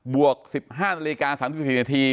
วก๑๕นาฬิกา๓๔นาที